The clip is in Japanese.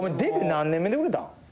何年目で売れたん？